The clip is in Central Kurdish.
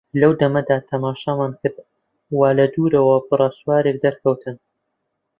لەو دەمەدا تەماشامان کرد وا لە دوورەوە بڕە سوارێک دەرکەوتن.